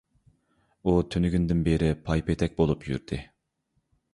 ئۇ تۈنۈگۈندىن بېرى پايپېتەك بولۇپ يۈردى.